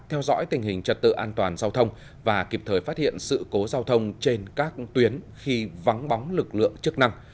theo dõi tình hình trật tự an toàn giao thông và kịp thời phát hiện sự cố giao thông trên các tuyến khi vắng bóng lực lượng chức năng